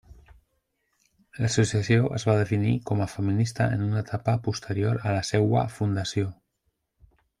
L'associació es va definir com a feminista en una etapa posterior a la seua fundació.